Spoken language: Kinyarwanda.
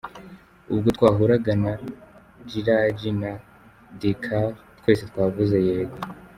Ubwo twahuraga na Dilraj na Dilkar twese twavuze Yego.